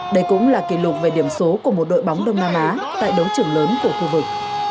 đây cũng là kỷ lục về điểm số của một đội bóng đông nam á tại đấu trưởng lớn của khu vực